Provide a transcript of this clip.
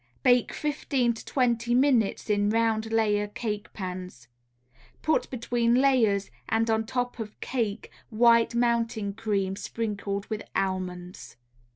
Bake fifteen to twenty minutes in round layer cake pans. Put between layers and on top of cake White Mountain Cream sprinkled with almonds.